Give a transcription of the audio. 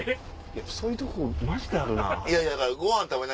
そういうとこマジであるな。